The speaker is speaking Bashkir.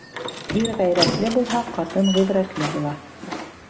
Ир ғәйрәтле булһа, ҡатын ғибрәтле була.